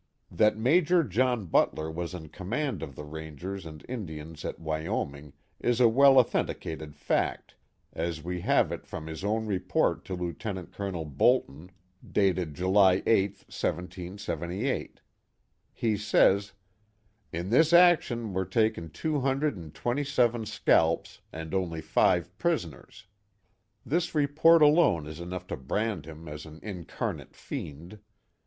That Major John Butler was in command of the Rangers and Indians at Wyoming is a well authenticated fact, as we have it from his own report to Lieutenant Colonel Bolton, 214 The Mohawk Valley dated July 8, 177S. He says, " In this action were taken two hundred and twenty seven scalps, and only five prisoners." This report alone is enough to brand him as an incarnate fiend.